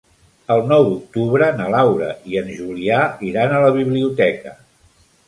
El nou d'octubre na Laura i en Julià iran a la biblioteca.